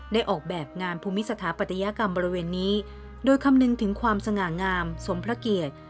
ออกแบบงานภูมิสถาปัตยกรรมบริเวณนี้โดยคำนึงถึงความสง่างามสมพระเกียรติ